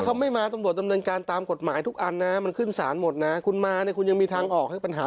ถ้าเขาไม่มาตำรวจดำเนินการตามกฎหมายทุกอันนะ